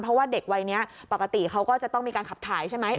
เพราะว่าเด็กวัยนี้ปกติเขาก็จะต้องมีการขับถ่ายใช่ไหม